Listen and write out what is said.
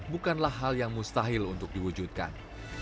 bukanlah hal yang mustahil untuk diwujudkan